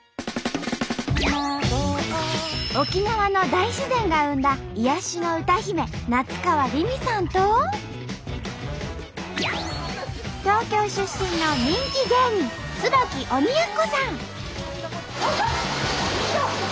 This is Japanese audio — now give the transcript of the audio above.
沖縄の大自然が生んだ癒やしの歌姫夏川りみさんと東京出身の人気芸人椿鬼奴さん！